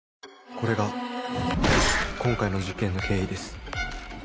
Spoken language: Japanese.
これが今回の事件の経緯です